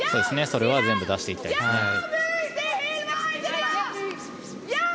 それは全部出していきたいですね。